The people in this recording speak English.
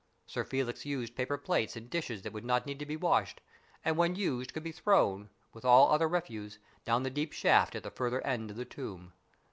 Sir Felix used paper plates and dishes that would not need to be washed, and when used could be thrown, with all other refuse, down the deep shaft at the farther end of the tomb.